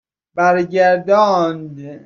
برگرداند